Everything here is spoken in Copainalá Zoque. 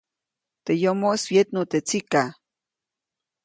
Teʼ yomoʼis wyetnu teʼ tsikaʼ.